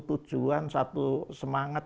tujuan satu semangat